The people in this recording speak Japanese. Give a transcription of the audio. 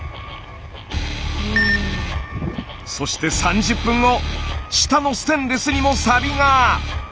そして３０分後下のステンレスにもサビが。